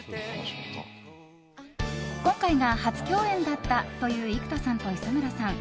今回が初共演だったという生田さんと磯村さん。